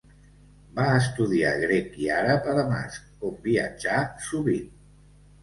Va estudiar grec i àrab a Damasc, on viatjà sovint.